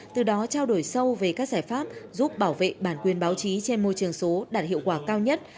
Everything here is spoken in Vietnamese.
từ đó trao đổi sâu về các giải pháp giúp bảo vệ bản quyền báo chí trên môi trường số đạt hiệu quả cao nhất